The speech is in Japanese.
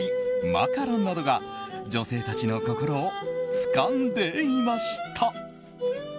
マカロンなどが女性たちの心をつかんでいました。